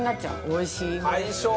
おいしいよ。